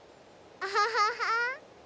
アハハハ。